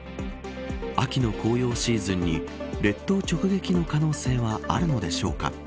秋の紅葉シーズンに列島直撃の可能性はあるんでしょうか。